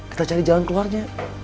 kita cari jalan keluarnya